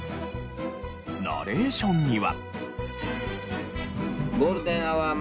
ナレーションには。